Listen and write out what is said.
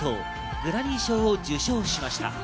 グラミー賞を受賞しました。